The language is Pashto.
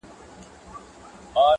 • تعویذونه به ور ولیکم پرېمانه -